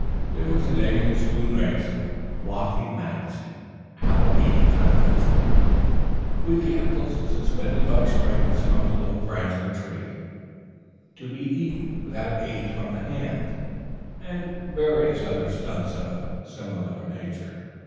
There was an egg and spoon race, a walking match, an apple eating contest, with the apples suspended by strings from the low branch of a tree, to be eaten without aid from the hands, and various other stunts of a similar nature.